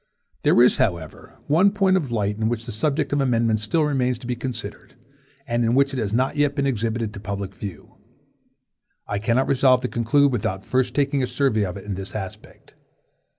There is, however, one point of light in which the subject of amendments still remains to be considered, and in which it has not yet been exhibited to public view. I cannot resolve to conclude without first taking a survey of it in this aspect.